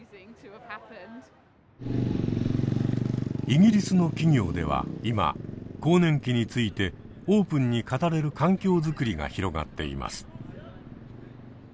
イギリスの企業では今更年期についてオープンに語れる環境づくりが広がっています。